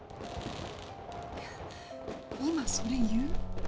いや今それ言う？